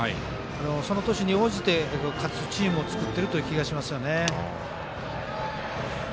その年に応じて勝つチームを作ってるという気がしますよね。